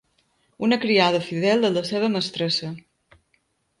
Una criada fidel a la seva mestressa.